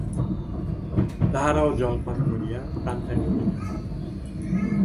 তাঁহারাও জল পান করিয়া প্রাণত্যাগ করিলেন।